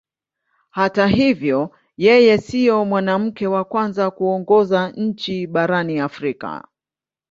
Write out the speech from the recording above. Hata hivyo yeye sio mwanamke wa kwanza kuongoza nchi barani Afrika.